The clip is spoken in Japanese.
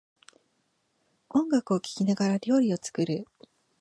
音楽を聴きながら料理を作る